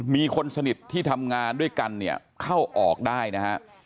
มีคนสนิทที่ทำงานด้วยกันเนี่ยเข้าออกได้นะฮะ